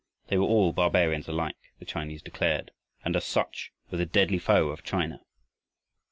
They were all barbarians alike, the Chinese declared, and as such were the deadly foe of China.